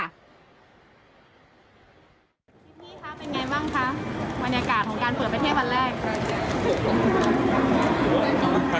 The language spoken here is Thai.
พี่คะเป็นไงบ้างคะบรรยากาศของการเปิดประเทศวันแรก